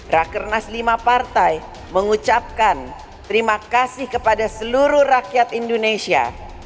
rakernas lima partai mengucapkan terima kasih kepada seluruh rakyat indonesia